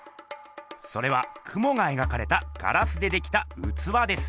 それはクモが描かれたガラスでできたうつわです。